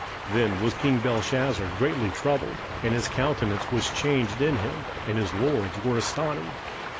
27:005:009 Then was king Belshazzar greatly troubled, and his countenance was changed in him, and his lords were astonied.